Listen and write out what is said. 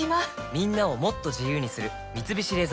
みんなをもっと自由にする「三菱冷蔵庫」